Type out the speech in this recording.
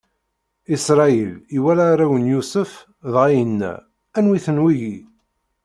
Isṛayil iwala arraw n Yusef, dɣa yenna: Anwi-ten wigi?